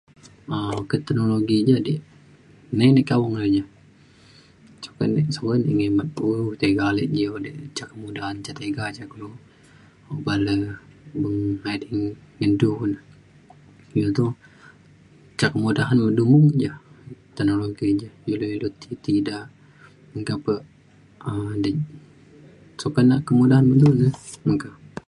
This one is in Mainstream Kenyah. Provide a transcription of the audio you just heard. um Oka teknologi ja dik, nai ne kawang ne ja. Sokat nik sokat nik ngemet ku tiga alik ji o dik. Ca kemudahan ja tiga ja kulu oban le beng edai ngan du un iu to ca kemudahan me du neja. Teknologi ja, iu da ilu ti, ti da. Meka pe um sokat nak kemudahan me du ne.